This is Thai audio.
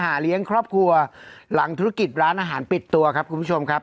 เลี้ยงครอบครัวหลังธุรกิจร้านอาหารปิดตัวครับคุณผู้ชมครับ